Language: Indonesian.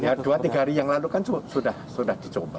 ya dua tiga hari yang lalu kan sudah dicoba